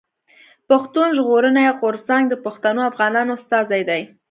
پښتون ژغورني غورځنګ د پښتنو افغانانو استازی دی.